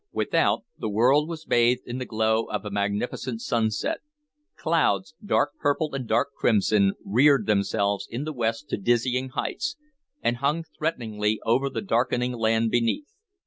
Without, the world was bathed in the glow of a magnificent sunset. Clouds, dark purple and dark crimson, reared themselves in the west to dizzy heights, and hung threateningly over the darkening land beneath.